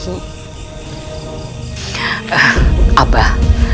sering peng peanut